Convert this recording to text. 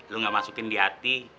lo gak masukin di hati